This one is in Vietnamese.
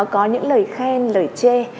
có những lời khen lời chê